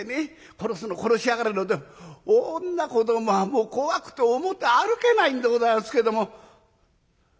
殺すの殺しやがれのと女子どもはもう怖くて表歩けないんでございますけども。